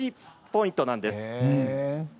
ポイントなんです。